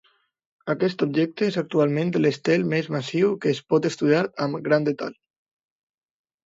Aquest objecte és actualment l'estel més massiu que es pot estudiar amb gran detall.